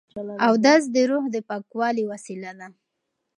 اودس د روح د پاکوالي وسیله ده.